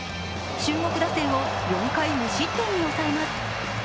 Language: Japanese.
中国打線を４回無失点に抑えます。